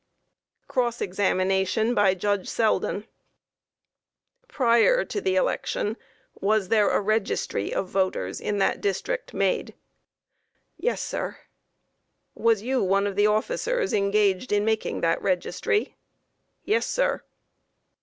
Cross Examination by Judge Selden: Q. Prior to the election, was there a registry of voters in that district made? A. Yes, sir. Q. Was you one of the officers engaged in making that registry? A. Yes, sir.